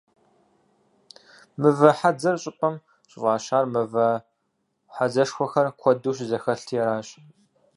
«Мывэ хьэдзэр» щӀыпӀэм щӀыфӀащар мывэ хьэдзэшхуэхэр куэду щызэхэлъти аращ.